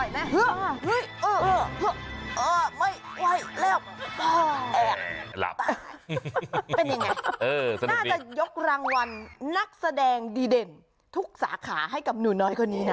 น่าจะยกรางวัลนักแสดงดีเด่นทุกสาขาให้กับหนูน้อยคนนี้นะ